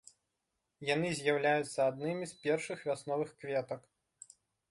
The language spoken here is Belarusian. Яны з'яўляюцца аднымі з першых вясновых кветак.